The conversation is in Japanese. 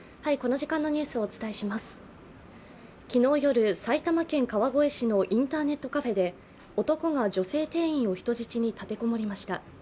昨日夜、埼玉県川越市のインターネットカフェで、男が女性店員を人質に立て籠もりました。